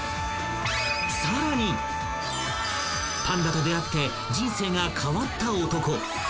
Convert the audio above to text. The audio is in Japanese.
［パンダと出会って人生が変わった男］